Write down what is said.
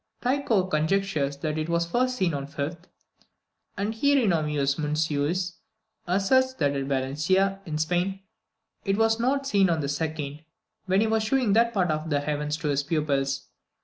Tycho conjectures that it was first seen on the 5th, and Hieronymus Munosius asserts that at Valentia, in Spain, it was not seen on the 2d, when he was shewing that part of the heavens to his pupils.